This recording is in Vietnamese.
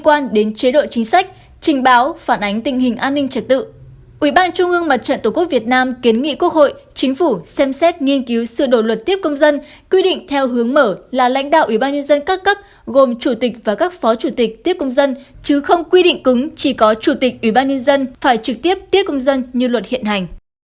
ủy ban trung ương mặt trận tổ quốc việt nam kiến nghị quốc hội chính phủ xem xét nghiên cứu sự đổ luật tiếp công dân quy định theo hướng mở là lãnh đạo ủy ban nhân dân các cấp gồm chủ tịch và các phó chủ tịch tiếp công dân chứ không quy định cứng chỉ có chủ tịch ủy ban nhân dân phải trực tiếp tiếp công dân như luật hiện hành